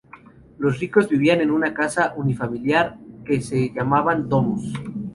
Los ricos vivían en una casa unifamiliar que se llamaba "domus".